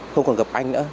không còn gặp anh nữa